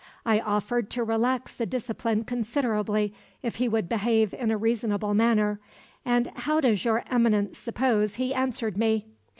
I offered to relax the discipline considerably if he would behave in a reasonable manner; and how does Your Eminence suppose he answered me?